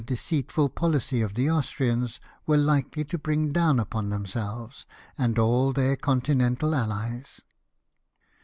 171 and deceitful policy of the Austrians were likely to bring down upon themselves and all their Con tinental allies.